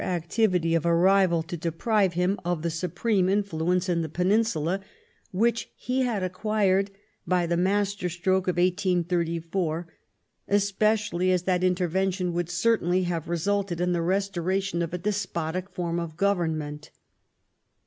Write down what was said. activity of a rival to deprive bim of the snpreme influ ence in the Peninsula which he had acquired by the masterstroke of 1884, especially as that intervention would certainly have resulted in the restoration of a despotic form of government.